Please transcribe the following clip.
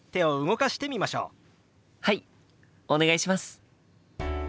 はいお願いします。